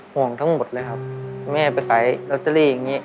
ห่วงทั้งหมดเลยครับแม่ไปขายลอตเตอรี่อย่างนี้